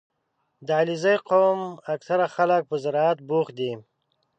• د علیزي قوم اکثره خلک په زراعت بوخت دي.